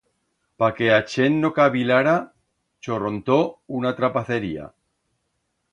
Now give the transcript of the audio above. Pa que a chent no cavilara, chorrontó una trapacería.